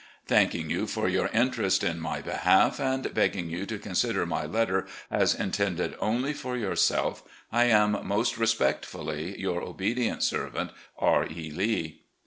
"Thanking you for your interest in my behalf, and begging you to consider my letter as intended only for yourself, I am, "Most respectfully your obedient servant, "R. E. Lee."